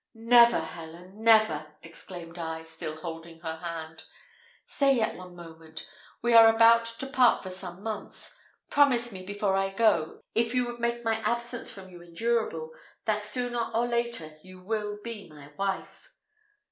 "Never, Helen, never!" exclaimed I, still holding her hand. "Stay yet one moment: we are about to part for some months; promise me before I go, if you would make my absence from you endurable, that sooner or later you will be my wife!"